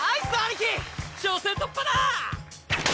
初戦突破だ！